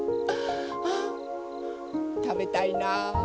あぁたべたいな。